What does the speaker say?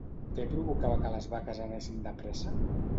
Què provocava que les vaques anessin de pressa?